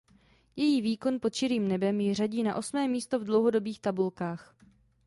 Její výkon pod širým nebem ji řadí na osmé místo v dlouhodobých tabulkách.